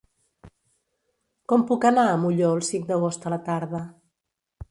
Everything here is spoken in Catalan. Com puc anar a Molló el cinc d'agost a la tarda?